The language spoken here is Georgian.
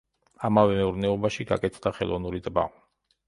ამავე მეურნეობაში გაკეთდა ხელოვნური ტბა.